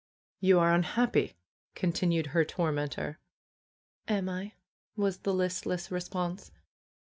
"You are unhappy!" continued her tormentor. "Am I?" was the listless response.